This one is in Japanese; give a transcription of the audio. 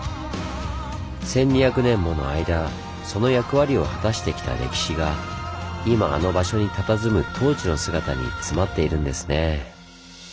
１２００年もの間その役割を果たしてきた歴史が今あの場所にたたずむ東寺の姿に詰まっているんですねぇ。